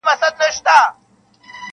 نصیب مي بیا پر هغه لاره آزمېیلی نه دی -